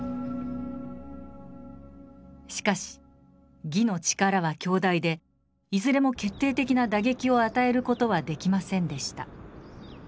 しかし魏の力は強大でいずれも決定的な打撃を与える事はできませんでした。